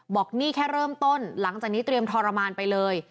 บอกนี่แค่เริ่มต้นหลังจากนี้เตรียมทรมานไปเลย